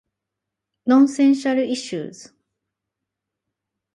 Nonsensical issues.